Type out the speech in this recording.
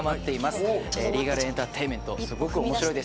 リーガルエンターテインメントすごく面白いです。